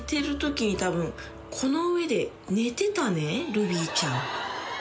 ルビーちゃん。